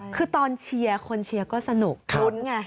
คือตอนเชียร์คนเชียร์ก็สนุกลุ้นไง